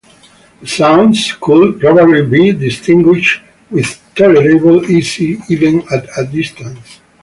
The sounds could probably be distinguished with tolerable ease even at a distance.